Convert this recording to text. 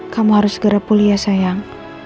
kamu harus segera pulih ya sayang